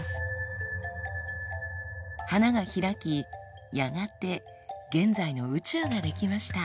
花が開きやがて現在の宇宙が出来ました。